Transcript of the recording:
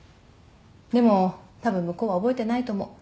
でもたぶん向こうは覚えてないと思う。